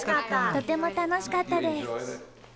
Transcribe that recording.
とても楽しかったです。